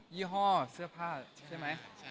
ี่ห้อเสื้อผ้าใช่ไหม